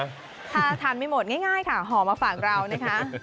ถ้าทานไม่หมดง่ายค่ะห่อมาฝากเรานะคะ